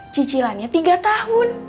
cicilannya tiga tahun